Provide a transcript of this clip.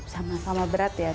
sama sama berat ya